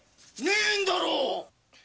ねえんだろう！